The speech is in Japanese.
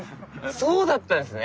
そうだったんですね。